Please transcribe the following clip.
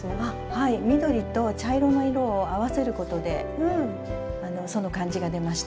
はい緑と茶色の色を合わせることでその感じが出ました。